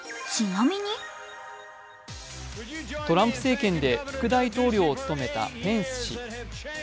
トランプ政権で副大統領を務めたペンス氏。